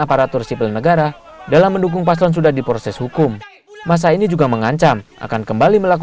pertanyaan yang terakhir dikasih oleh pak mas mada di jepang